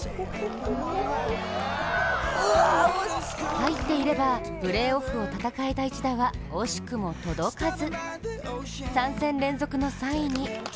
入っていればプレーオフを戦えた一打は惜しくも届かず。